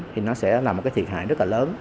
thì nó sẽ là một cái thiệt hại rất là lớn